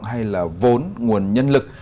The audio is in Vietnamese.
hay là vốn nguồn nhân lực